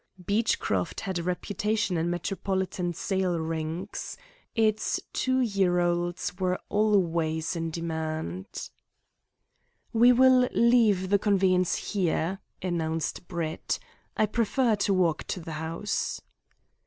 Beechcroft had a reputation in metropolitan sale rings. Its two year olds were always in demand. "We will leave the conveyance here," announced Brett "I prefer to walk to the house."